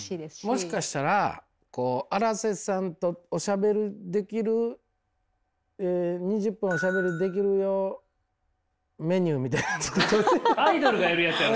もしかしたら荒瀬さんとおしゃべりできる２０分おしゃべりできるよメニューみたいなの作っといて。